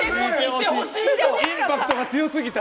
インパクトが強すぎた。